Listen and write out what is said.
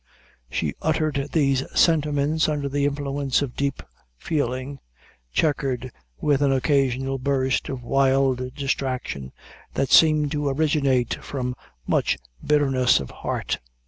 She uttered these sentiments under the influence of deep feeling, checkered with an occasional burst of wild distraction, that seemed to originate from much bitterness of heart.